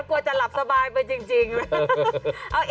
กลัวจะหลับสบายไปจริงนะ